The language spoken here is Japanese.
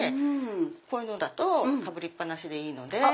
こういうのだとかぶりっ放しでいいので。